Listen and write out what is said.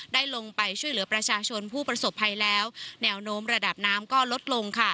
ได้ลงไปช่วยเหลือประชาชนผู้ประสบภัยแล้วแนวโน้มระดับน้ำก็ลดลงค่ะ